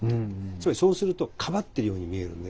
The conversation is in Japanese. つまりそうするとかばってるように見えるんで。